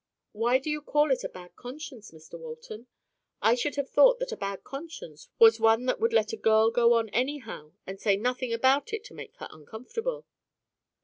"Why do you call it a bad conscience, Mr Walton? I should have thought that a bad conscience was one that would let a girl go on anyhow and say nothing about it to make her uncomfortable."